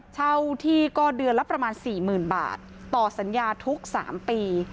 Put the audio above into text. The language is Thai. เช่าที่ก็เดือนละประมาณสี่หมื่นบาทต่อสัญญาทุกสามปี